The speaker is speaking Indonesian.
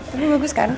tapi bagus kan